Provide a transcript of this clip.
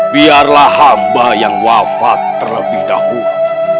biarlah hamba yang wafat terlebih dahulu